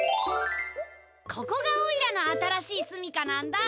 ここがオイラの新しい住みかなんだ。